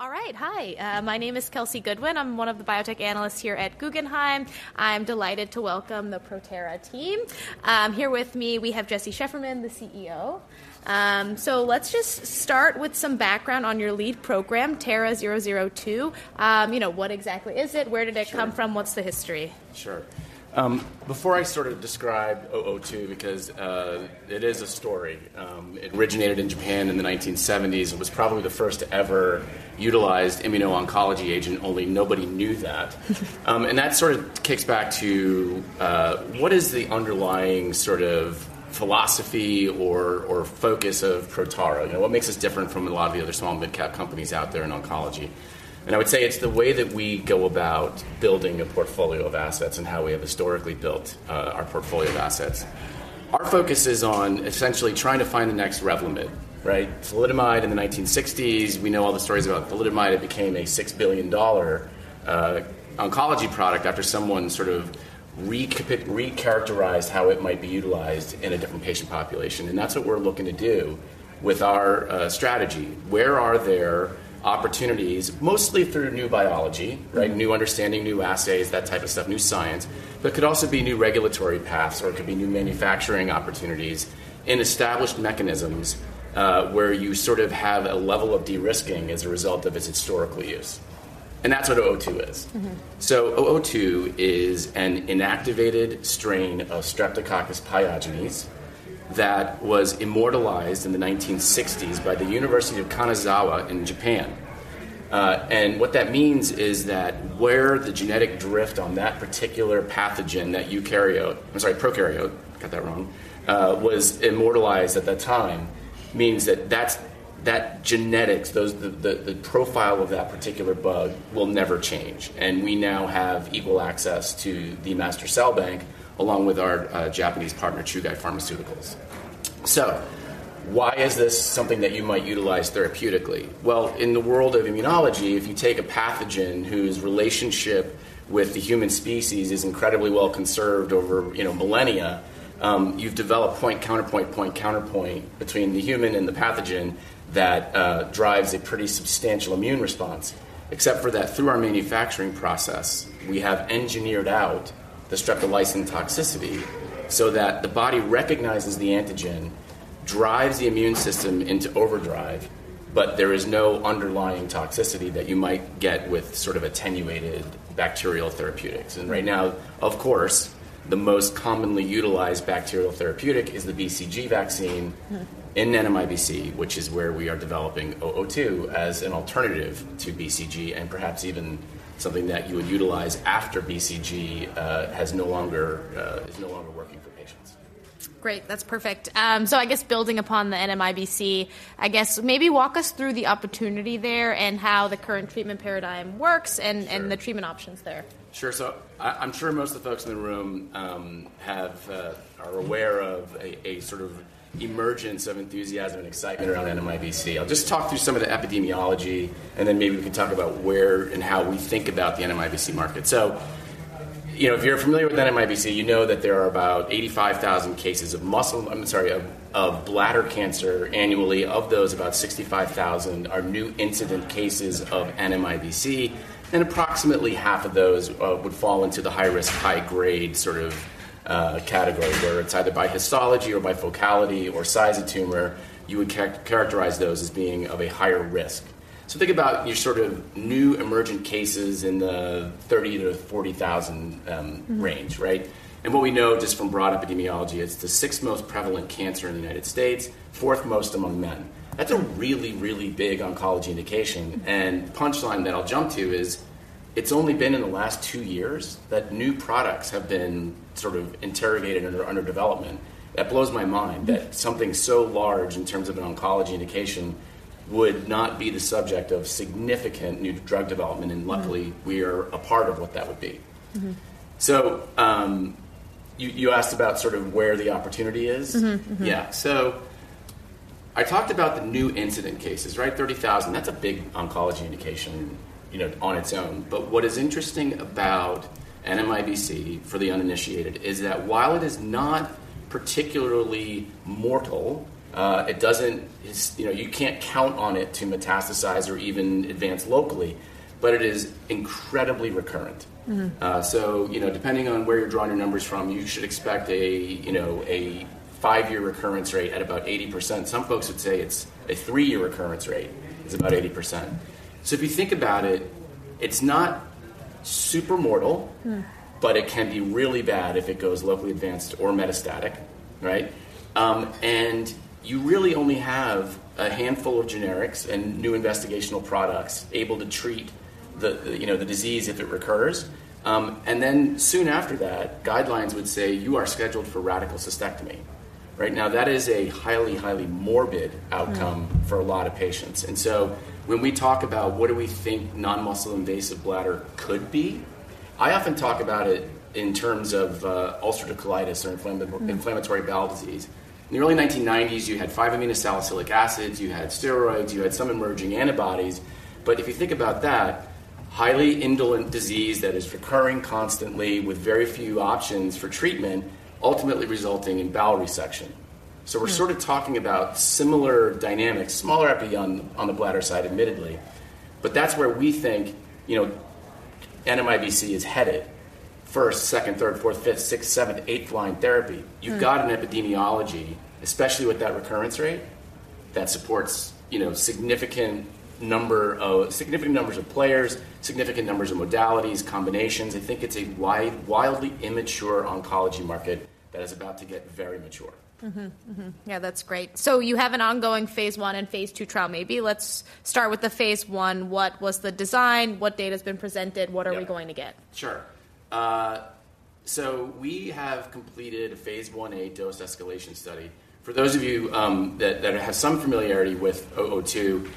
All right. Hi, my name is Kelsey Goodwin. I'm one of the biotech analysts here at Guggenheim. I'm delighted to welcome the Protara team. Here with me, we have Jesse Shefferman, the CEO. So let's just start with some background on your lead program, TARA-002. You know, what exactly is it? Where did it come from? What's the history? Sure. Before I sort of describe 002, because it is a story. It originated in Japan in the 1970s, and was probably the first-ever utilized immuno-oncology agent, only nobody knew that. And that sort of kicks back to what is the underlying sort of philosophy or focus of Protara? You know, what makes us different from a lot of the other small mid-cap companies out there in oncology? And I would say it's the way that we go about building a portfolio of assets and how we have historically built our portfolio of assets. Our focus is on essentially trying to find the next Revlimid, right? Thalidomide in the 1960s, we know all the stories about thalidomide. It became a $6 billion oncology product after someone sort of recharacterized how it might be utilized in a different patient population, and that's what we're looking to do with our strategy. Where are there opportunities, mostly through new biology- Mm-hmm. Right? New understanding, new assays, that type of stuff, new science, but could also be new regulatory paths, or it could be new manufacturing opportunities in established mechanisms, where you sort of have a level of de-risking as a result of its historical use. And that's what 002 is. Mm-hmm. So, 002 is an inactivated strain of Streptococcus pyogenes that was immortalized in the 1960s by the University of Kanazawa in Japan. And what that means is that where the genetic drift on that particular pathogen, that eukaryote, I'm sorry, prokaryote, got that wrong, was immortalized at that time, means that, that's that genetics, those, the profile of that particular bug will never change. And we now have equal access to the master cell bank, along with our Japanese partner, Chugai Pharmaceuticals. So why is this something that you might utilize therapeutically? Well, in the world of immunology, if you take a pathogen whose relationship with the human species is incredibly well conserved over, you know, millennia, you've developed point, counterpoint, point, counterpoint between the human and the pathogen that drives a pretty substantial immune response. Except for that through our manufacturing process, we have engineered out the streptolysin toxicity so that the body recognizes the antigen, drives the immune system into overdrive, but there is no underlying toxicity that you might get with sort of attenuated bacterial therapeutics. Right now, of course, the most commonly utilized bacterial therapeutic is the BCG vaccine. Mm-hmm. In NMIBC, which is where we are developing 002 as an alternative to BCG, and perhaps even something that you would utilize after BCG is no longer working for patients. Great. That's perfect. So I guess building upon the NMIBC, I guess maybe walk us through the opportunity there and how the current treatment paradigm works, and- and the treatment options there. Sure. So I'm sure most of the folks in the room are aware of a sort of emergence of enthusiasm and excitement around NMIBC. I'll just talk through some of the epidemiology, and then maybe we can talk about where and how we think about the NMIBC market. So, you know, if you're familiar with NMIBC, you know that there are about 85,000 cases of muscle, I'm sorry, of bladder cancer annually. Of those, about 65,000 are new incident cases of NMIBC, and approximately half of those would fall into the high risk, high grade sort of category, where it's either by histology or by focality or size of tumor, you would characterize those as being of a higher risk. So think about your sort of new emergent cases in the 30,000-40,000. Mm-hmm. -range, right? What we know just from broad epidemiology, it's the sixth most prevalent cancer in the United States, fourth most among men. That's a really, really big oncology indication. Punchline that I'll jump to is, it's only been in the last two years that new products have been sort of interrogated or under development. That blows my mind. That something so large in terms of an oncology indication would not be the subject of significant new drug development, and luckily- Mm-hmm. We are a part of what that would be. Mm-hmm. You asked about sort of where the opportunity is? Mm-hmm. Mm-hmm. Yeah. So I talked about the new incidence cases, right? 30,000, that's a big oncology indication, you know, on its own. But what is interesting about NMIBC for the uninitiated is that while it is not particularly mortal, you know, you can't count on it to metastasize or even advance locally, but it is incredibly recurrent. Mm-hmm. So, you know, depending on where you're drawing your numbers from, you should expect a, you know, a five-year recurrence rate at about 80%. Some folks would say it's a three-year recurrence rate, is about 80%. So if you think about it, it's not super mortal- Mm. But it can be really bad if it goes locally advanced or metastatic, right? And you really only have a handful of generics and new investigational products able to treat the, you know, the disease if it recurs. And then soon after that, guidelines would say, "You are scheduled for radical cystectomy." Right now, that is a highly, highly morbid outcome. Mm-hmm. -for a lot of patients. And so when we talk about what do we think non-muscle invasive bladder could be, I often talk about it in terms of, ulcerative colitis or inflammatory- -inflammatory bowel disease. In the early 1990s, you had 5-aminosalicylate acids, you had steroids, you had some emerging antibodies. But if you think about that, highly indolent disease that is recurring constantly with very few options for treatment, ultimately resulting in bowel resection.... So we're sort of talking about similar dynamics, smaller epi on the bladder side, admittedly. But that's where we think, you know, NMIBC is headed first, second, third, fourth, fifth, sixth, seventh, eighth line therapy. Mm-hmm. You've got an epidemiology, especially with that recurrence rate, that supports, you know, significant numbers of players, significant numbers of modalities, combinations. I think it's a wide, wildly immature oncology market that is about to get very mature. Mm-hmm, mm-hmm. Yeah, that's great. So you have an ongoing phase I and phase II trial, maybe. Let's start with the phase I. What was the design? What data's been presented? Yeah. What are we going to get? Sure. So we have completed a phase Ia dose-escalation study. For those of you that have some familiarity with 002,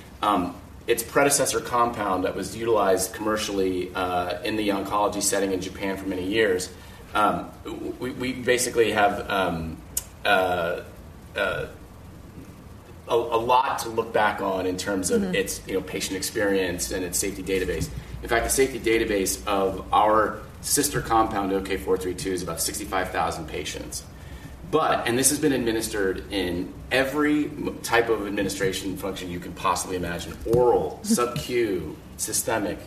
its predecessor compound that was utilized commercially in the oncology setting in Japan for many years, we basically have a lot to look back on in terms of- Mm-hmm... its, you know, patient experience and its safety database. In fact, the safety database of our sister compound, OK-432, is about 65,000 patients. But, and this has been administered in every type of administration function you can possibly imagine: oral- Mm-hmm... subcu, systemic.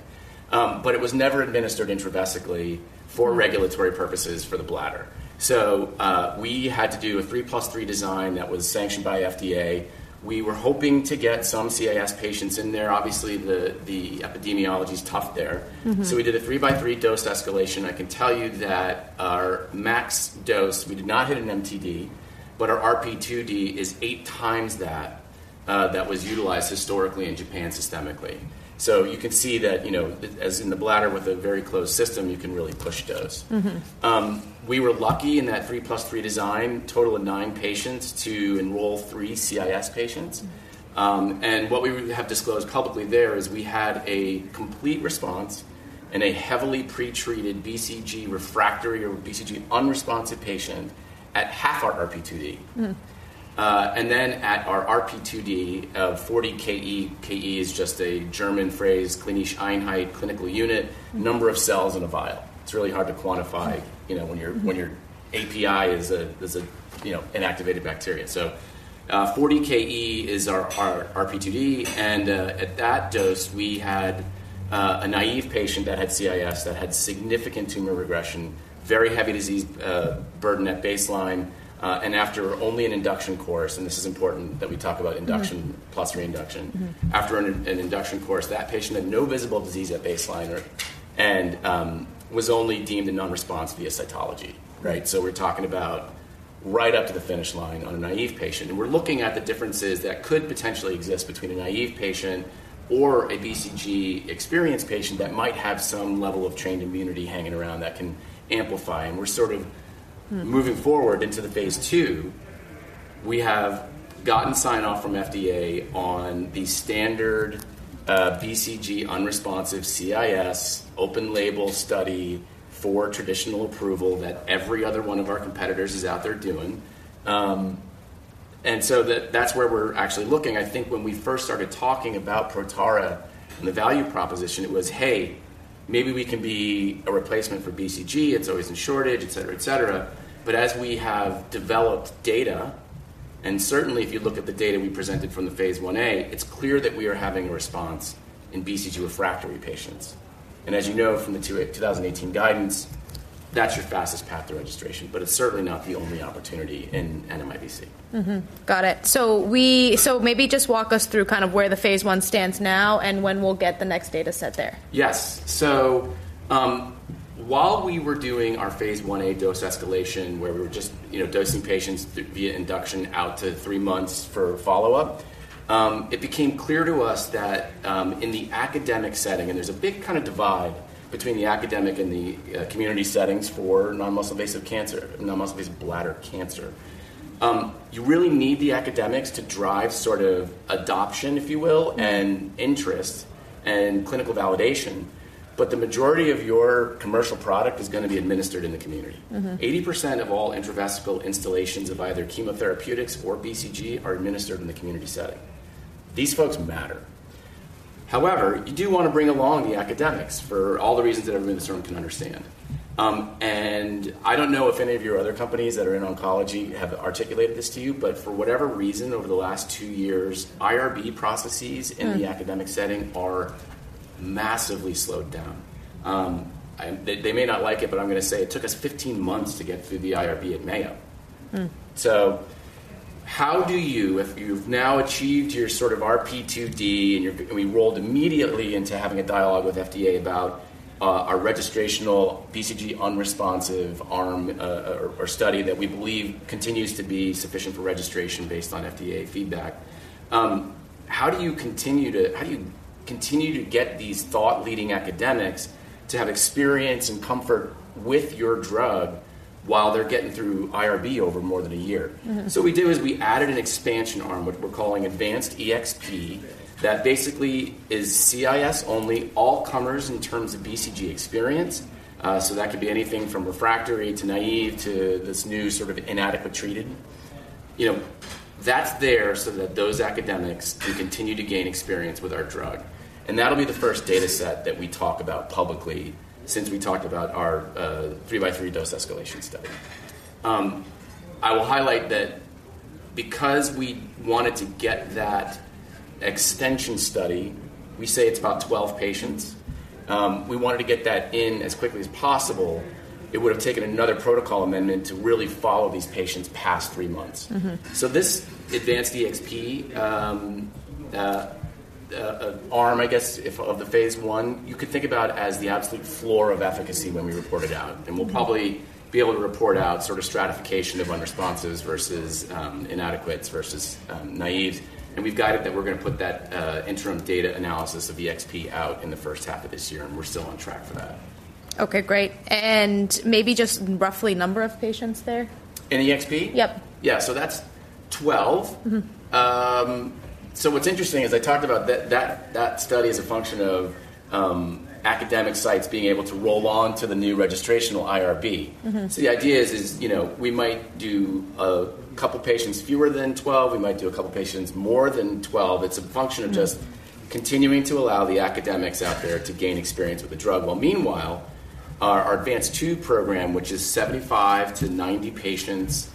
But it was never administered intravesically- Mm... for regulatory purposes for the bladder. So, we had to do a 3+3 design that was sanctioned by FDA. We were hoping to get some CIS patients in there. Obviously, the epidemiology is tough there. Mm-hmm. So we did a 3+3 dose-escalation. I can tell you that our max dose, we did not hit an MTD, but our RP2D is 8x that, that was utilized historically in Japan systemically. So you can see that, you know, as in the bladder, with a very closed system, you can really push dose. Mm-hmm. We were lucky in that 3+3 design, total of nine patients, to enroll three CIS patients. Mm-hmm. What we would have disclosed publicly there is we had a complete response in a heavily pretreated BCG-refractory or BCG-unresponsive patient at half our RP2D. Mm. And then at our RP2D of 40 KE, KE is just a German phrase, klinische Einheit, clinical unit. Mm-hmm... number of cells in a vial. It's really hard to quantify, you know- Mm-hmm... when your API is a, you know, inactivated bacteria. So, 40 KE is our RP2D, and at that dose, we had a naive patient that had CIS, that had significant tumor regression, very heavy disease burden at baseline, and after only an induction course, and this is important that we talk about induction- Mm-hmm... plus reinduction. Mm-hmm. After an induction course, that patient had no visible disease at baseline, and was only deemed a non-response via cytology, right? So we're talking about right up to the finish line on a naïve patient, and we're looking at the differences that could potentially exist between a naïve patient or a BCG-experienced patient that might have some level of trained immunity hanging around that can amplify. And we're sort of- Mm... moving forward into the phase II. We have gotten sign-off from FDA on the standard, BCG-unresponsive CIS open-label study for traditional approval that every other one of our competitors is out there doing. And so that, that's where we're actually looking. I think when we first started talking about Protara and the value proposition, it was, "Hey, maybe we can be a replacement for BCG. It's always in shortage," et cetera, et cetera. But as we have developed data, and certainly if you look at the data we presented from the phase Ia, it's clear that we are having a response in BCG refractory patients. And as you know from the 2018 guidance, that's your fastest path to registration, but it's certainly not the only opportunity in NMIBC. Mm-hmm. Got it. So maybe just walk us through kind of where the phase I stands now and when we'll get the next data set there. Yes. So, while we were doing our phase Ia dose escalation, where we were just, you know, dosing patients via induction out to three months for follow-up, it became clear to us that, in the academic setting, and there's a big kind of divide between the academic and the, community settings for non-muscle invasive cancer, non-muscle invasive bladder cancer. You really need the academics to drive sort of adoption, if you will- Mm... and interest and clinical validation, but the majority of your commercial product is gonna be administered in the community. Mm-hmm. 80% of all intravesical installations of either chemotherapeutics or BCG are administered in the community setting. These folks matter. However, you do want to bring along the academics for all the reasons that everyone in this room can understand. And I don't know if any of your other companies that are in oncology have articulated this to you, but for whatever reason, over the last two years, IRB processes- Mm... in the academic setting are massively slowed down. They may not like it, but I'm gonna say it took us 15 months to get through the IRB at Mayo. Mm. So how do you, if you've now achieved your sort of RP2D, and we rolled immediately into having a dialogue with FDA about our registrational BCG unresponsive arm, or study that we believe continues to be sufficient for registration based on FDA feedback. How do you continue to get these thought-leading academics to have experience and comfort with your drug while they're getting through IRB over more than a year? Mm-hmm. So what we do is we added an expansion arm, what we're calling ADVANCED-1EXP, that basically is CIS only, all comers in terms of BCG experience. So that could be anything from refractory to naive to this new sort of inadequate treated, you know. That's there so that those academics can continue to gain experience with our drug, and that'll be the first data set that we talk about publicly since we talked about our 3+3 dose-escalation study. I will highlight that because we wanted to get that extension study, we say it's about 12 patients, we wanted to get that in as quickly as possible. It would have taken another protocol amendment to really follow these patients past three months. Mm-hmm. This ADVANCED-1EXP, I guess, is of the phase I you could think about as the absolute floor of efficacy when we report it out. We'll probably be able to report out sort of stratification of unresponses versus inadequates versus naïve. And we've guided that we're gonna put that interim data analysis of EXP out in the first half of this year, and we're still on track for that. Okay, great. And maybe just roughly number of patients there? In EXP? Yep. Yeah. So that's 12. Mm-hmm. What's interesting is I talked about that study is a function of academic sites being able to roll on to the new registrational IRB. Mm-hmm. So the idea is, you know, we might do a couple of patients fewer than 12, we might do a couple of patients more than 12. It's a function- -of just continuing to allow the academics out there to gain experience with the drug. Well, meanwhile, our ADVANCED-2 program, which is 75-90 patients,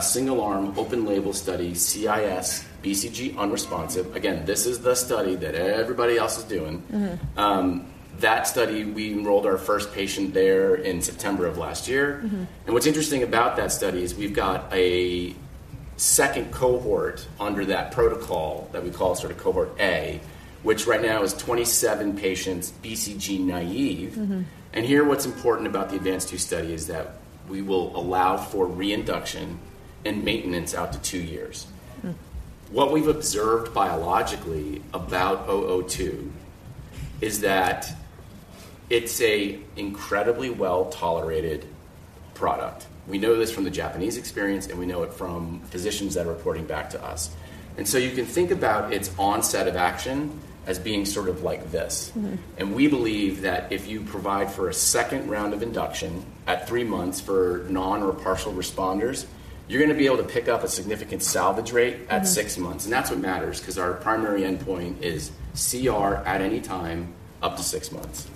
single-arm, open-label study, CIS, BCG-unresponsive. Again, this is the study that everybody else is doing. Mm-hmm. That study, we enrolled our first patient there in September of last year. Mm-hmm. What's interesting about that study is we've got a second cohort under that protocol that we call sort of Cohort A, which right now is 27 patients, BCG naive. Mm-hmm. Here, what's important about the ADVANCED-2 study is that we will allow for reinduction and maintenance out to two years. Mm. What we've observed biologically about 002 is that it's an incredibly well-tolerated product. We know this from the Japanese experience, and we know it from physicians that are reporting back to us. So you can think about its onset of action as being sort of like this. Mm-hmm. We believe that if you provide for a second round of induction at three months for non- or partial responders, you're gonna be able to pick up a significant salvage rate- Mm-hmm. At six months, and that's what matters 'cause our primary endpoint is CR at any time, up to six months.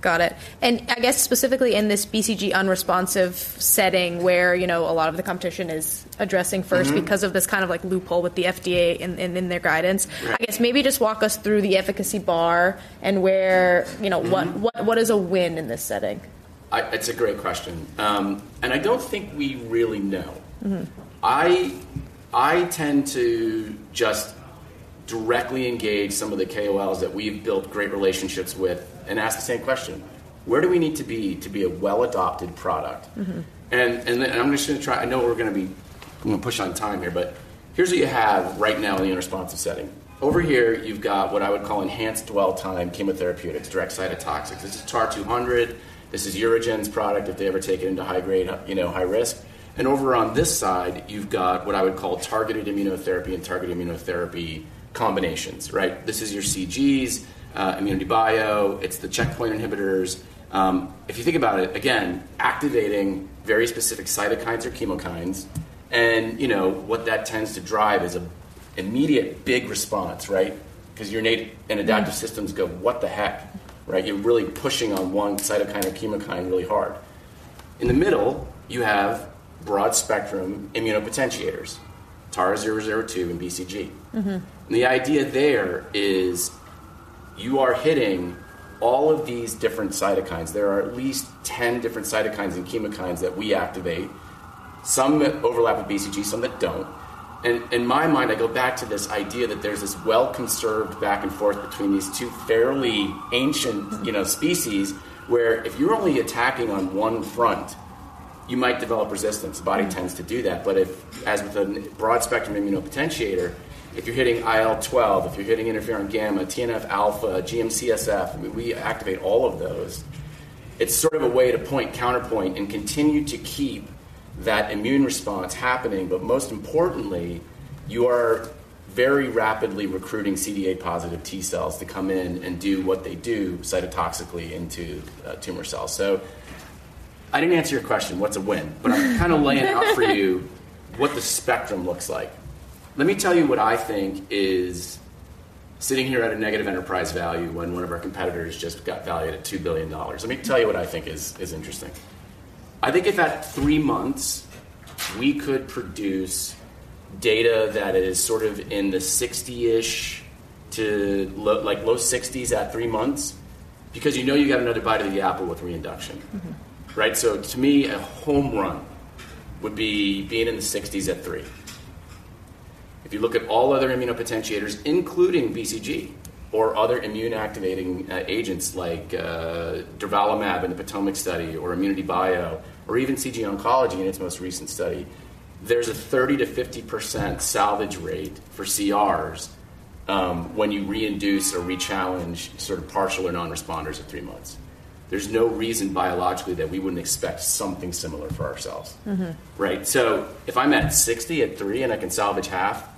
Got it. I guess specifically in this BCG unresponsive setting where, you know, a lot of the competition is addressing first- Because of this kind of like loophole with the FDA in their guidance. Right. I guess maybe just walk us through the efficacy bar and where, you know? Mm-hmm. What is a win in this setting? It's a great question. I don't think we really know. Mm-hmm. I tend to just directly engage some of the KOLs that we've built great relationships with and ask the same question: Where do we need to be to be a well-adopted product? Mm-hmm. I'm just gonna try. I know we're gonna be, I'm gonna push on time here, but here's what you have right now in the unresponsive setting. Over here, you've got what I would call enhanced dwell time chemotherapeutics, direct cytotoxics. This is TAR-200, this is UroGen's product, if they ever take it into high grade, you know, high risk. Over on this side, you've got what I would call targeted immunotherapy and targeted immunotherapy combinations, right? This is your CG Oncology, ImmunityBio, it's the checkpoint inhibitors. If you think about it, again, activating very specific cytokines or chemokines, and, you know, what that tends to drive is an immediate big response, right? 'Cause your innate and adaptive- systems go, "What the heck?" Right? You're really pushing on one cytokine or chemokine really hard. In the middle, you have broad-spectrum immunopotentiators, TARA-002 and BCG. Mm-hmm. The idea there is you are hitting all of these different cytokines. There are at least 10 different cytokines and chemokines that we activate, some that overlap with BCG, some that don't. And in my mind, I go back to this idea that there's this well-conserved back and forth between these two fairly ancient- Mm. You know, species, where if you're only attacking on one front, you might develop resistance. The body tends to do that. But if, as with a broad-spectrum immunopotentiator, if you're hitting IL-12, if you're hitting IFN-gamma, TNF-alpha, GM-CSF, we activate all of those. It's sort of a way to point counterpoint and continue to keep that immune response happening, but most importantly, you are very rapidly recruiting CD8-positive T cells to come in and do what they do cytotoxically into tumor cells. So I didn't answer your question, what's a win? But I'm kinda laying out for you what the spectrum looks like. Let me tell you what I think is sitting here at a negative enterprise value when one of our competitors just got valued at $2 billion. Let me tell you what I think is, is interesting. I think if at three months, we could produce data that is sort of in the 60-ish to like low 60s at three months, because you know you got another bite of the apple with reinduction. Mm-hmm. Right? So to me, a home run would be being in the 60s at three. If you look at all other immunopotentiators, including BCG or other immune-activating agents like durvalumab in the POTOMAC study, or ImmunityBio, or even CG Oncology in its most recent study, there's a 30%-50% salvage rate for CRs when you reinduce or rechallenge sort of partial or non-responders at three months. There's no reason biologically that we wouldn't expect something similar for ourselves. Mm-hmm. Right? So if I'm at 60 at three and I can salvage half-...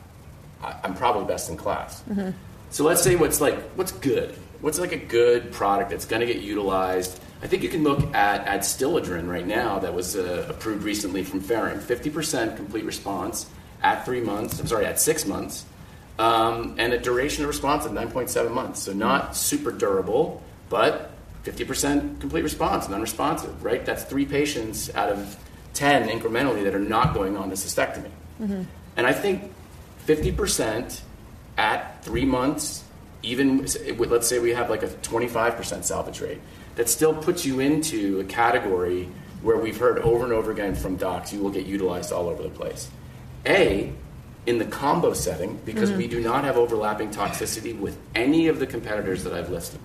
I'm probably best in class. Mm-hmm. So let's say what's like, what's good? What's like a good product that's gonna get utilized? I think you can look at Adstiladrin right now that was approved recently from Ferring. 50% complete response at three months, I'm sorry, at six months, and a duration of response of nine point seven months. So not super durable, but 50% complete response and unresponsive, right? That's threee patients out of 10 incrementally that are not going on to cystectomy. Mm-hmm. I think 50% at three months, even, let's say we have, like, a 25% salvage rate, that still puts you into a category where we've heard over and over again from docs, you will get utilized all over the place. A, in the combo setting- Mm. - because we do not have overlapping toxicity with any of the competitors that I've listed.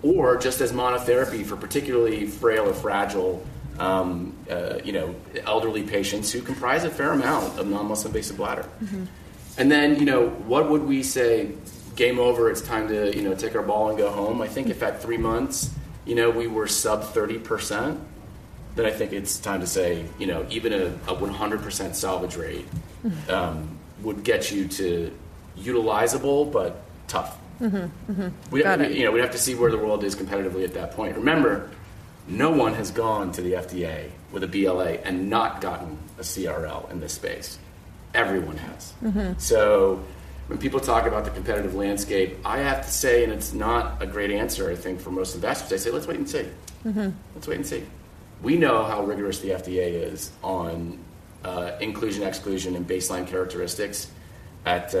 Or just as monotherapy for particularly frail or fragile, you know, elderly patients who comprise a fair amount of non-muscle invasive bladder. Mm-hmm. And then, you know, what would we say, "Game over, it's time to, you know, take our ball and go home? I think if at three months, you know, we were sub 30%, then I think it's time to say, you know, even a 100% salvage rate-... would get you to utilizable, but tough. Mm-hmm. Mm-hmm. Got it. We, you know, we'd have to see where the world is competitively at that point. Remember, no one has gone to the FDA with a BLA and not gotten a CRL in this space. Everyone has. Mm-hmm. When people talk about the competitive landscape, I have to say, and it's not a great answer, I think, for most investors, they say, "Let's wait and see. Mm-hmm. Let's wait and see." We know how rigorous the FDA is on, inclusion, exclusion, and baseline characteristics at,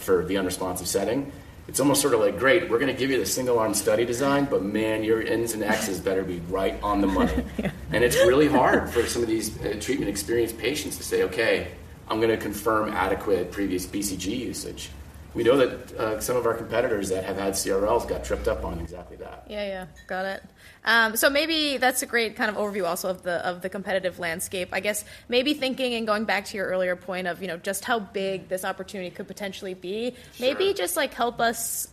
for the unresponsive setting. It's almost sort of like, "Great, we're gonna give you the single-arm study design, but man, your Ns and Xs better be right on the money. Yeah. It's really hard for some of these treatment-experienced patients to say, "Okay, I'm gonna confirm adequate previous BCG usage." We know that some of our competitors that have had CRLs got tripped up on exactly that. Yeah, yeah. Got it. So maybe that's a great kind of overview also of the, of the competitive landscape. I guess maybe thinking and going back to your earlier point of, you know, just how big this opportunity could potentially be- Sure. Maybe just, like, help us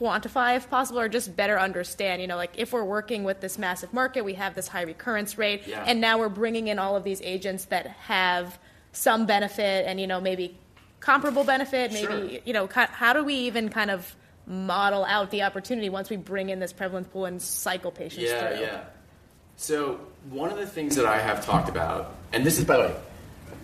quantify, if possible, or just better understand, you know, like, if we're working with this massive market, we have this high recurrence rate. Yeah... and now we're bringing in all of these agents that have some benefit and, you know, maybe comparable benefit-... maybe, you know, how do we even kind of model out the opportunity once we bring in this prevalent pool and cycle patients through? Yeah, yeah. So one of the things that I have talked about, and this is, by the way,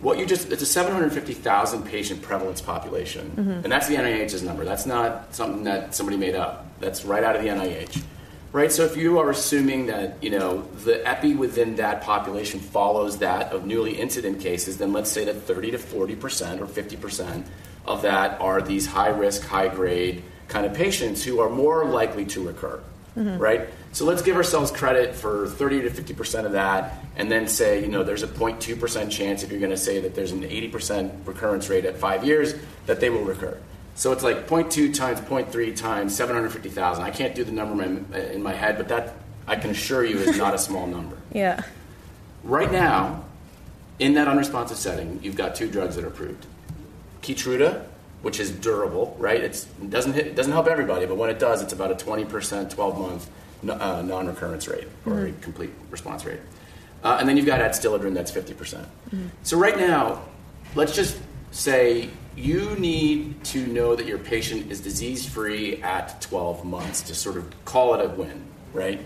what you just, it's a 750,000 patient prevalence population. Mm-hmm. That's the NIH's number. That's not something that somebody made up. That's right out of the NIH, right? So if you are assuming that, you know, the epi within that population follows that of newly incident cases, then let's say that 30%-40% or 50% of that are these high-risk, high-grade kind of patients who are more likely to recur. Mm-hmm. Right? So let's give ourselves credit for 30%-50% of that, and then say, you know, there's a 0.2% chance if you're gonna say that there's an 80% recurrence rate at five years, that they will recur. So it's like 0.2x 0.3x 750,000. I can't do the number in my head, but that, I can assure you, is not a small number. Yeah. Right now, in that unresponsive setting, you've got two drugs that are approved: KEYTRUDA, which is durable, right? It doesn't help everybody, but when it does, it's about a 20%, 12-month non-recurrence rate- Mm... or a complete response rate. And then you've got Adstiladrin, that's 50%. Mm. Right now, let's just say you need to know that your patient is disease-free at 12 months to sort of call it a win, right?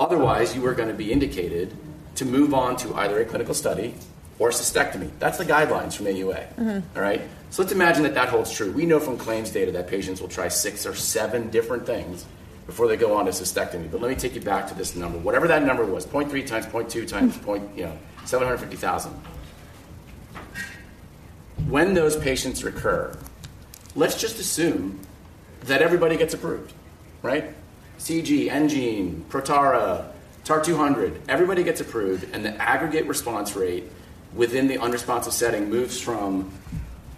Otherwise, you are gonna be indicated to move on to either a clinical study or cystectomy. That's the guidelines from AUA. Mm-hmm. All right? So let's imagine that that holds true. We know from claims data that patients will try six or seven different things before they go on to cystectomy. But let me take you back to this number. Whatever that number was, 0.3x 0.2x- Mm... point, you know, 750,000. When those patients recur, let's just assume that everybody gets approved, right? CG, enGene, Protara, TAR-200, everybody gets approved, and the aggregate response rate within the unresponsive setting moves from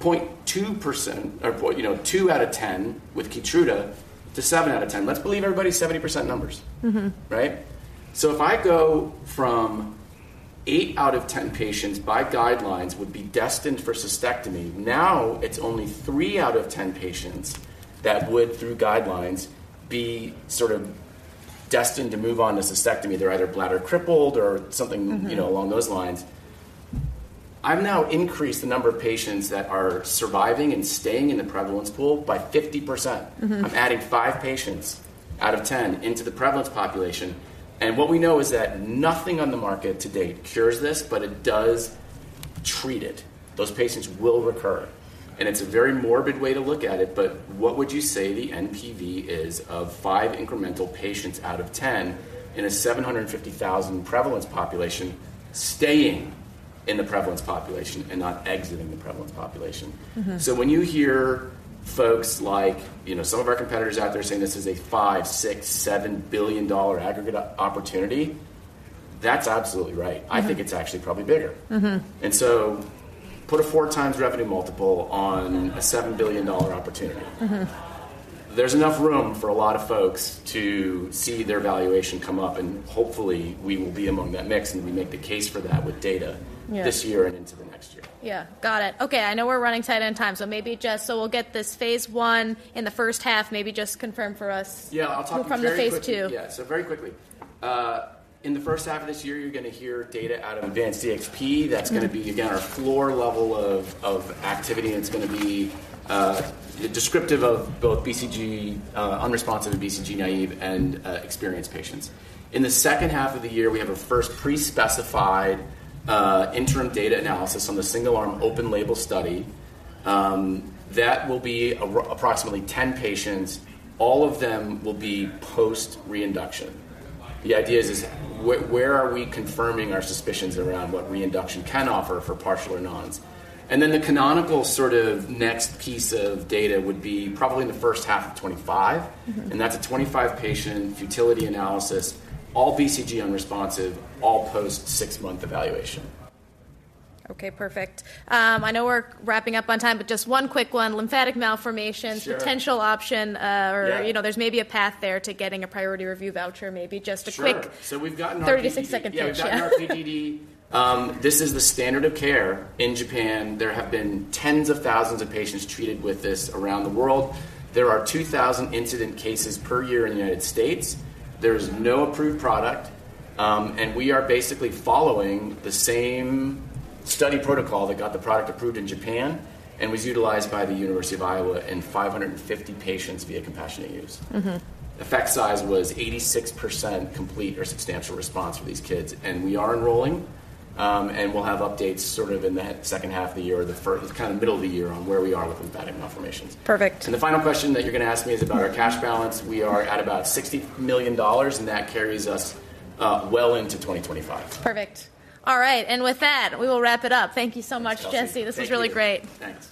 0.2% or point, you know, two out of 10 with KEYTRUDA to seven out of 10. Let's believe everybody's 70% numbers. Mm-hmm. Right? So if I go from eight out of 10 patients by guidelines would be destined for cystectomy, now it's only three out of 10 patients that would, through guidelines, be sort of destined to move on to cystectomy. They're either bladder crippled or something- Mm-hmm... you know, along those lines. I've now increased the number of patients that are surviving and staying in the prevalence pool by 50%. Mm-hmm. I'm adding five patients out of 10 into the prevalence population, and what we know is that nothing on the market to date cures this, but it does treat it. Those patients will recur. And it's a very morbid way to look at it, but what would you say the NPV is of five incremental patients out of 10 in a 750,000 prevalence population, staying in the prevalence population and not exiting the prevalence population? Mm-hmm. So when you hear folks like, you know, some of our competitors out there saying this is a $5billion, $6 billion, $7 billion aggregate opportunity, that's absolutely right. Mm-hmm. I think it's actually probably bigger. Mm-hmm. Put a 4x revenue multiple on a $7 billion opportunity. Mm-hmm. There's enough room for a lot of folks to see their valuation come up, and hopefully, we will be among that mix, and we make the case for that with data- Yeah... this year and into the next year. Yeah, got it. Okay, I know we're running tight on time, so maybe just so we'll get this phase one in the first half, maybe just confirm for us- Yeah, I'll talk very quickly. Move on to phase II. Yeah, so very quickly. In the first half of this year, you're gonna hear data out of ADVANCED-1EX. Mm-hmm. That's gonna be, again, our floor level of activity, and it's gonna be descriptive of both BCG unresponsive and BCG-naive and experienced patients. In the second half of the year, we have a first pre-specified interim data analysis on the single-arm open label study. That will be approximately 10 patients. All of them will be post-reinduction. The idea is this: where are we confirming our suspicions around what reinduction can offer for partial or nons? And then the canonical sort of next piece of data would be probably in the first half of 2025. Mm-hmm. That's a 25-patient futility analysis, all BCG unresponsive, all post-six-month evaluation. Okay, perfect. I know we're wrapping up on time, but just one quick one, lymphatic malformation. Potential option, Yeah... or you know, there's maybe a path there to getting a priority review voucher, maybe just a quick- Sure. So we've gotten our- 36-second pitch. Yeah, we've gotten our PDD. This is the standard of care in Japan. There have been tens of thousands of patients treated with this around the world. There are 2,000 incident cases per year in the United States. There's no approved product, and we are basically following the same study protocol that got the product approved in Japan and was utilized by the University of Iowa in 550 patients via compassionate use. Mm-hmm. Effect size was 86% complete or substantial response for these kids, and we are enrolling, and we'll have updates sort of in the second half of the year, kind of middle of the year, on where we are with lymphatic malformations. Perfect. The final question that you're gonna ask me is about our cash balance. We are at about $60 million, and that carries us well into 2025. Perfect. All right, and with that, we will wrap it up. Thank you so much, Jesse. Thank you. This was really great. Thanks.